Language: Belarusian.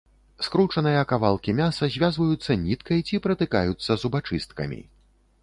Скручаныя кавалкі мяса звязваюцца ніткай, ці пратыкаюцца зубачысткамі.